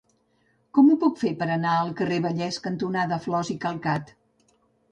Com ho puc fer per anar al carrer Vallès cantonada Flos i Calcat?